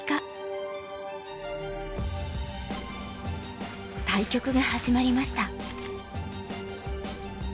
対局が始まりました。